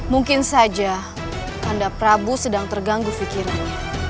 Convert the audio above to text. mungkin saja kanda prabu sedang terganggu fikirannya